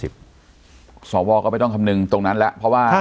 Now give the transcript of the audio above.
สอวก็ไม่ต้องคำนึงตรงนั้นแหละ